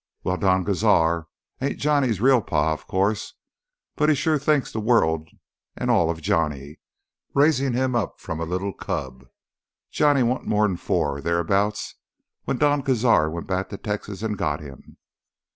"Wal, Don Cazar ain't Johnny's real pa, o' course. But he shore thinks th' world an' all of Johnny, raising him up from a li'l cub. Johnny warn't more'n four o' thereabouts when Don Cazar went back to Texas an' got him.